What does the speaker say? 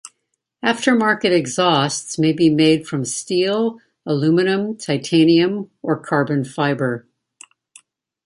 Aftermarket exhausts may be made from steel, aluminium, titanium, or carbon fiber.